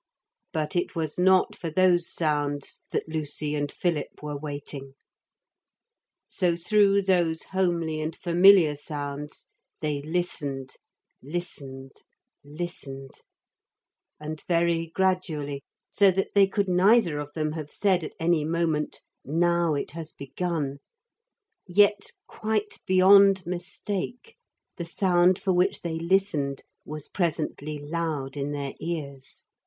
But it was not for those sounds that Lucy and Philip were waiting. So through those homely and familiar sounds they listened, listened, listened; and very gradually, so that they could neither of them have said at any moment 'Now it has begun,' yet quite beyond mistake the sound for which they listened was presently loud in their ears.